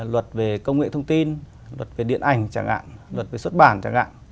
luật về công nghệ thông tin luật về điện ảnh chẳng hạn luật về xuất bản chẳng hạn